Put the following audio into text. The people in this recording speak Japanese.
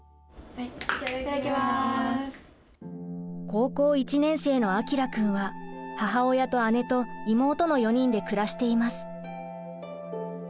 高校１年生の彰くんは母親と姉と妹の４人で暮らしています。